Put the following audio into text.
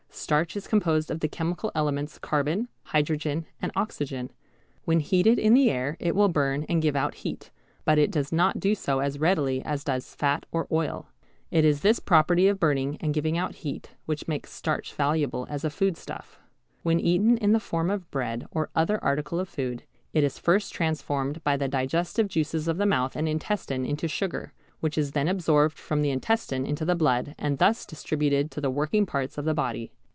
Starch is composed of the chemical elements carbon, hydrogen, and oxygen. When heated in the air it will burn and give out heat, but it does not do so as readily as does fat or oil. It is this property of burning and giving out heat which makes starch valuable as a foodstuff. When eaten in the form of bread, or other article of food, it is first transformed by the digestive juices of the mouth and intestine into sugar, which is then absorbed from the intestine into the blood, and thus distributed to the working parts of the body.